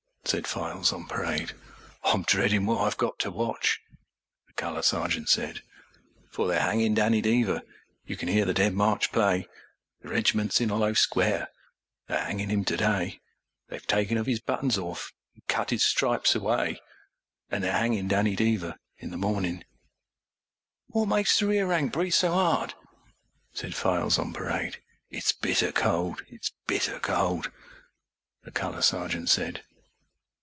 â said Files on Parade. âI'm dreadin' what I've got to watchâ, the Colour Sergeant said. For they're hangin' Danny Deever, you can hear the Dead March play, The regiment's in 'ollow square they're hangin' him to day; They've taken of his buttons off an' cut his stripes away, An' they're hangin' Danny Deever in the mornin'. âWhat makes the rear rank breathe so 'ard?â said Files on Parade. âIt's bitter cold, it's bitter coldâ, the Colour Sergeant said.